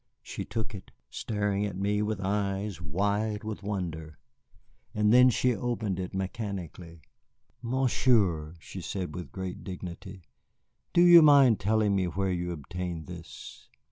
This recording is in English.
She took it, staring at me with eyes wide with wonder, and then she opened it mechanically. "Monsieur," she said with great dignity, "do you mind telling me where you obtained this?"